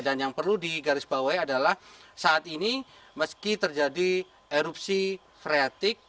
dan yang perlu digarisbawahi adalah saat ini meski terjadi erupsi freatik